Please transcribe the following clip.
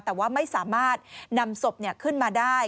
แต่ว่าไม่สามารถนำศพขึ้นมาได้